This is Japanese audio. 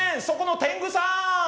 そこの天狗さん！